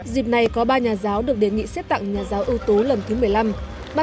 dịp này có ba nhà giáo được đề nghị xếp tặng nhà giáo ưu tố lần thứ một mươi năm